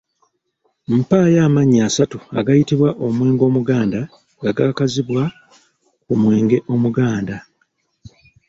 Mpaayo amannya asatu agayitibwa omwenge Omuganda nga gaakazibwa ku mwenge Omuganda.